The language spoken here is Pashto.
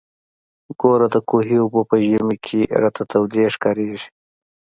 ګوره د کوهي اوبه په ژمي کښې راته تودې ښکارېږي.